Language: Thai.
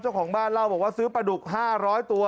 เจ้าของบ้านเล่าบอกว่าซื้อปลาดุก๕๐๐ตัว